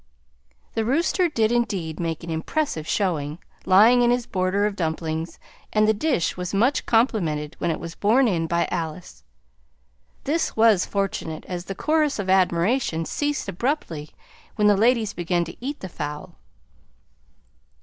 The rooster did indeed make an impressive showing, lying in his border of dumplings, and the dish was much complimented when it was borne in by Alice. This was fortunate, as the chorus of admiration ceased abruptly when the ladies began to eat the fowl.